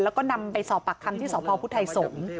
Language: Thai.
แล้วก็นำไปสอบปากคำที่สพพุทธไทยสงศ์